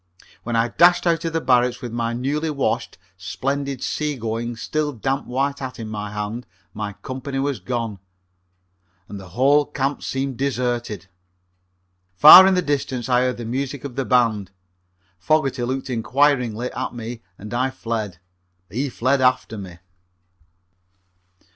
When I dashed out of the barracks with my newly washed, splendidly seagoing, still damp white hat in my hand my company was gone, and the whole camp seemed deserted. Far in the distance I heard the music of the band. Fogerty looked inquiringly at me and I fled. He fled after me.